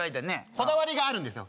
こだわりがあるんですよ